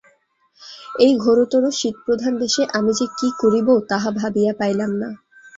এই ঘোরতর শীতপ্রধান দেশে আমি যে কি করিব, তাহা ভাবিয়া পাইলাম না।